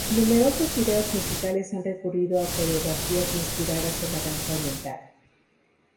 Numerosos vídeos musicales han recurrido a coreografías inspiradas en la danza oriental.